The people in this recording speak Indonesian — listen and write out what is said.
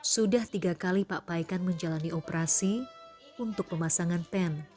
sudah tiga kali pak paikan menjalani operasi untuk pemasangan pen